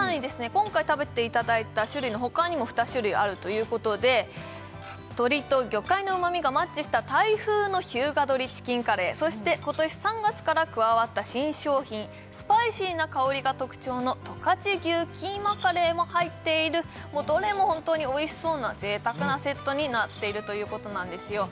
今回食べていただいた種類のほかにも２種類あるということで鶏と魚介のうまみがマッチしたタイ風の日向鶏チキンカレーそして今年３月から加わった新商品スパイシーな香りが特徴の十勝牛キーマカレーも入っているどれも本当においしそうな贅沢なセットになっているということなんですよ